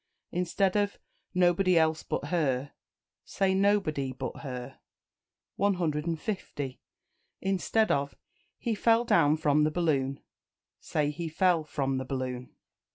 Instead of "Nobody else but her," say "Nobody but her." 150. Instead of "He fell down from the balloon," say "He fell from the balloon."